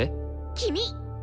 君！